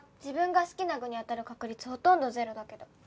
自分が好きな具に当たる確率ほとんどゼロだけど。